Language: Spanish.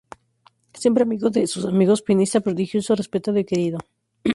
Siempre amigo de sus amigos, pianista prodigioso, respetado y querido.